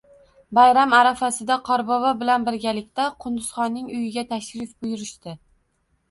Bayram arafasida Qorbobo bilan birgalikda Qunduzxonning uyiga tashrif buyurishdi